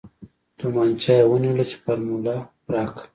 تمانچه يې ونيوله چې فارموله راکه.